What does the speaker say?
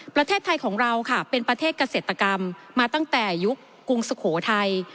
ประเทศไทยของเราค่ะเป็นประเทศเกษตรกรรมมาตั้งแต่ยุคกรุงสุโขทัย